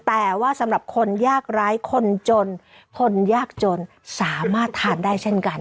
แต่ว่าสำหรับคนยากร้ายคนจนคนยากจนสามารถทานได้เช่นกัน